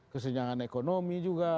kesenjangan ekonomi juga